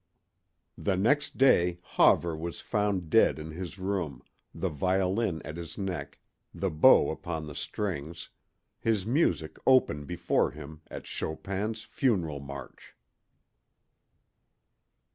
The next day Hawver was found dead in his room, the violin at his neck, the bow upon the strings, his music open before him at Chopin's funeral march.